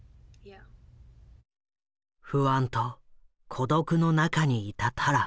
不安と孤独の中にいたタラ。